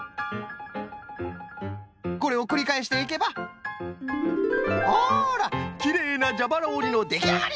これをくりかえしていけばあらきれいなじゃばらおりのできあがり！